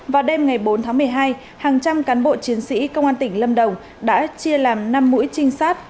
vào đêm ngày bốn tháng một mươi hai hàng trăm cán bộ chiến sĩ công an tỉnh lâm đồng đã chia làm năm mũi trinh sát